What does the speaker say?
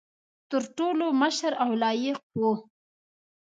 تر ټولو مشر او لایق وو.